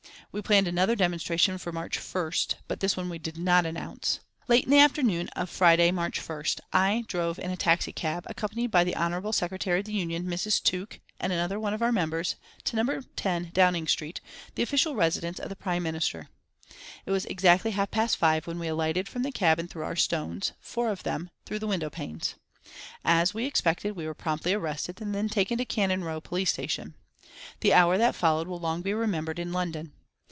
We planned another demonstration for March 1st, but this one we did not announce. Late in the afternoon of Friday, March 1st, I drove in a taxicab, accompanied by the Hon. Secretary of the Union, Mrs. Tuke and another of our members, to No. 10 Downing Street, the official residence of the Prime Minister. It was exactly half past five when we alighted from the cab and threw our stones, four of them, through the window panes. As we expected we were promptly arrested and taken to Cannon Row police station. The hour that followed will long be remembered in London.